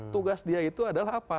tugas dia itu adalah apa